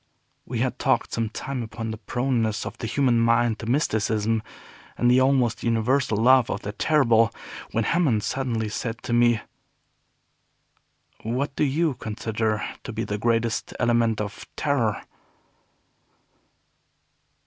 We had talked some time upon the proneness of the human mind to mysticism, and the almost universal love of the terrible, when Hammond suddenly said to me. "What do you consider to be the greatest element of terror?"